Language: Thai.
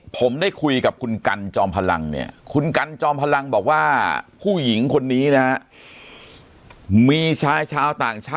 ผมได้คุยกับคุณกัลจอมพลัง